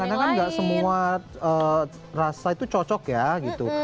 karena kadang kadang kan gak semua rasa itu cocok ya gitu